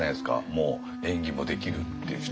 もう演技もできるっていう人。